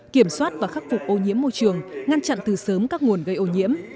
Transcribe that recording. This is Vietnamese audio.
kiểm soát và khắc phục ô nhiễm môi trường ngăn chặn từ sớm các nguồn gây ô nhiễm